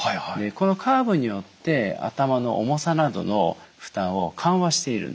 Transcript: カーブによって頭の重さなどの負担を緩和しているんですね。